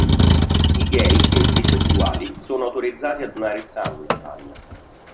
I gay e i bisessuali sono autorizzati a donare il sangue in Spagna.